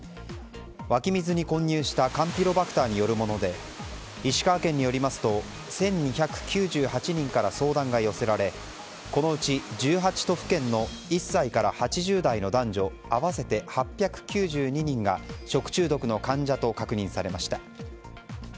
湧き水に混入したカンピロバクターによるもので石川県によりますと１２９８人から相談が寄せられこのうち１８都府県の１歳から８０代の男女合わせて８９２人が食中毒の患者と確認されました。